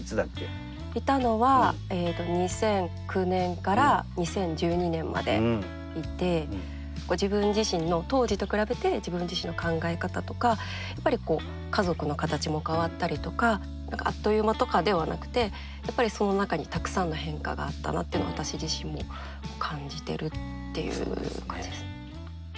いたのはえと２００９年から２０１２年までいて自分自身の当時と比べて自分自身の考え方とかやっぱりこう家族の形も変わったりとかなんかあっという間とかではなくてやっぱりその中にたくさんの変化があったなっていうのは私自身も感じてるっていう感じですね。